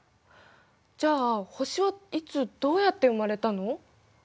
じゃあ星はいつどうやって生まれたの？